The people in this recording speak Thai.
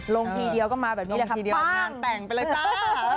ทีเดียวก็มาแบบนี้แหละค่ะคว้างานแต่งไปเลยจ้า